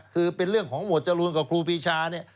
คือเป็นเรื่องของหมวดจรูนกับครูปีชาเนี่ย